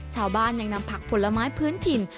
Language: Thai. ชาวบ้านยังนำผักผลไม้พื้นถิ่น